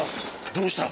どうした？